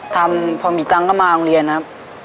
ทำพอมีตังค์ก็มาโรงเรียนครับ